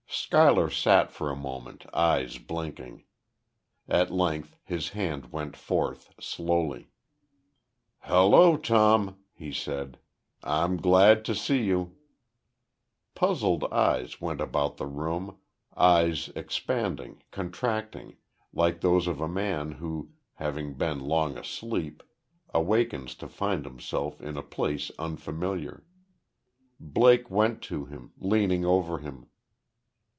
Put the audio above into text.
Schuyler sat for a moment, eyes blinking. At length his hand went forth, slowly. "Hello, Tom," he said. "I'm glad to see you." Puzzled eyes went about the room, eyes expanding, contracting, like those of a man who, having been long asleep, awakens to find himself in a place unfamiliar. Blake went to him, leaning over him.